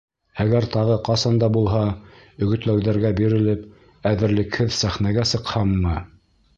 Әгәр тағы ҡасан да булһа, өгөтләүҙәргә бирелеп, әҙерлекһеҙ сәхнәгә сыҡһаммы!..